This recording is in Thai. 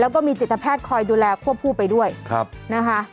แล้วก็มีจิตแพทย์คอยดูแลควบคู่ไปด้วยนะคะ